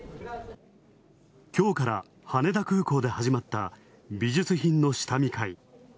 きょうから羽田空港で始まった美術品の下見会。